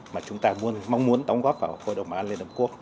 mà chúng ta mong muốn đóng góp vào hội đồng bảo an liên hợp quốc